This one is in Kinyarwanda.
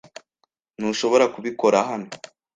Ntushobora kubikora hano.